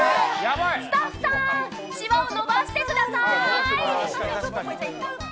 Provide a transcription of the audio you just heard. スタッフさーん、しわをのばしてくださーい！